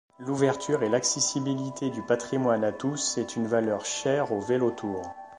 L'ouverture et l'accessibilité du patrimoine à tous est une valeur chère au Vélotour.